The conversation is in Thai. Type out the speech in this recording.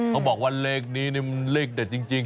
เขาบอกว่าเลขนี้นี่มันเลขเด็ดจริง